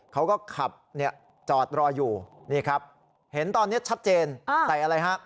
เขาก็ขับเนี่ยจอดรออยู่นี่ครับเห็นตอนนี้ชัดเจนใส่อะไรฮะ